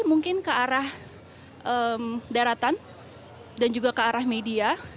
mungkin ke arah daratan dan juga ke arah media